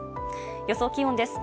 予想気温です。